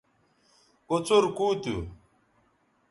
کوڅر کُو تھو